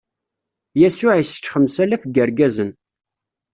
Yasuɛ issečč xemsalaf n yirgazen.